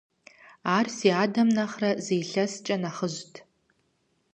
Ар си адэм нэхърэ зы илъэскӀэ нэхъыжьт.